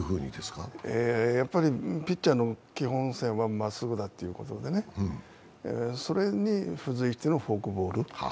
ピッチャーの基本線はまっすぐだということでね、それに付随してのフォークボール。